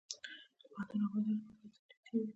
د پوهنتون او بازار ژبه باید سره نږدې وي.